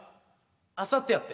あさってやって。